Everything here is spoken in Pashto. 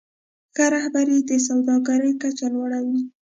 ښه رهبري د سوداګرۍ کچه لوړوي.